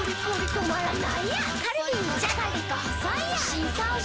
新登場